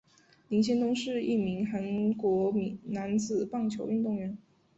林仙东是一名韩国男子棒球运动员。